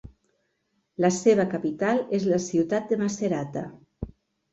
La seva capital és la ciutat de Macerata.